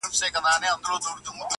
بې پروا ورځ بې مانا پوښتني